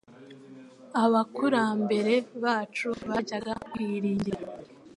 Abakurambere bacu bajyaga bakwiringira